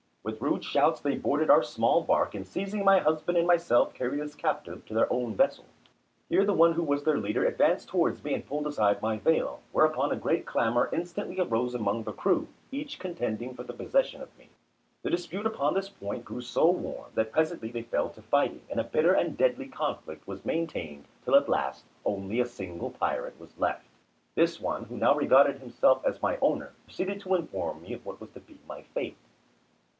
With rude shouts they boarded our small bark, and seizing my husband and myself carried us captive to their own vessel. Here the one who was their leader advanced towards me and pulled aside my veil; whereupon a great clamour instantly arose among the crew, each contending for the possession of me. The dispute upon this point grew so warm that presently they fell to fighting; and a bitter and deadly conflict was maintained till at last only a single pirate was left. This one, who now regarded himself as my owner, proceeded to inform me of what was to be my fate.